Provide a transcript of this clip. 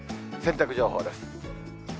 洗濯情報です。